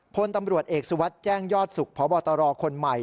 พลตำรวจเอกสุวัสดิ์แจ้งยอดสุขพบตรคนใหม่